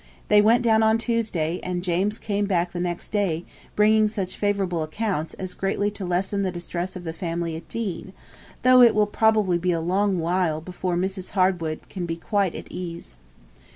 They went down on Tuesday, and James came back the next day, bringing such favourable accounts as greatly to lessen the distress of the family at Deane, though it will probably be a long while before Mrs. Harwood can be quite at ease.